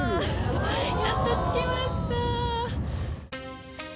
やっと着きました。